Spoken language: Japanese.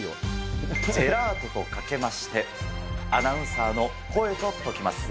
ジェラートとかけまして、アナウンサーの声とときます。